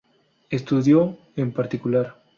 Estudió, en particular.